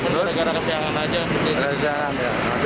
sudah gara gara kesayangan aja